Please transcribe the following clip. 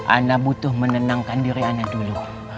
ana butuh menenangkan diri ana dulu